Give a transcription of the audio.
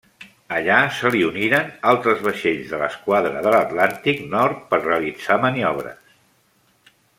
Allà se li uniren altres vaixells de l'esquadra de l'Atlàntic Nord per realitzar maniobres.